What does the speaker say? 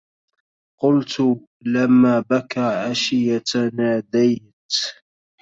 قلت لما بكى عشية ناديت